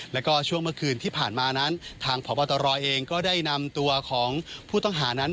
แล้วก็ช่วงเมื่อคืนที่ผ่านมานั้นทางพบตรเองก็ได้นำตัวของผู้ต้องหานั้น